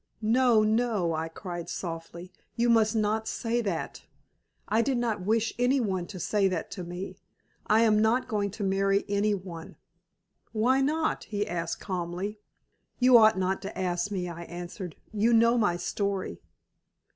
"No, no," I cried softly, "you must not say that. I did not wish any one to say that to me. I am not going to marry any one." "Why not?" he asked, calmly. "You ought not to ask me," I answered. "You know my story."